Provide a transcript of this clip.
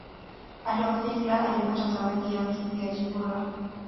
adolf hitler alipata zawadi ya mkimbiaji bora